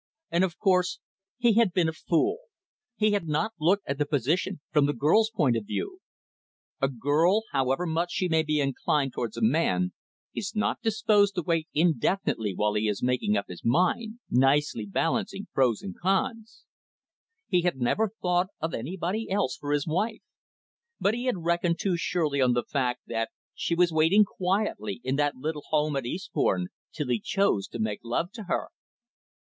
And, of course, he had been a fool. He had not looked at the position from the girl's point of view. A girl, however much she may be inclined towards a man, is not disposed to wait indefinitely while he is making up his mind, nicely balancing pros and cons. He had never thought of anybody else for his wife. But he had reckoned too surely on the fact that she was waiting quietly in that little home at Eastbourne, till he chose to make love to her.